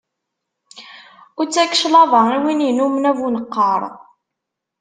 Ur ttak cclaḍa i win innumen abuneqqaṛ.